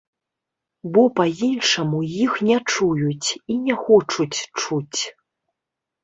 Бо па-іншаму іх не чуюць і не хочуць чуць.